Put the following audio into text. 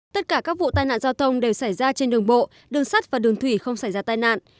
tất cả các vụ tai nạn giao thông đều xảy ra trên đường bộ đường sắt và đường thủy không xảy ra tai nạn